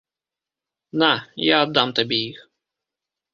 На, я аддам табе іх.